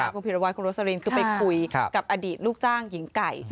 คุณพิรวัฒคุณโรสลินคือไปคุยกับอดีตลูกจ้างหญิงไก่